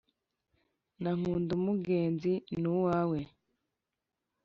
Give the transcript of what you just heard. na nkundum ugenzi ni uwawe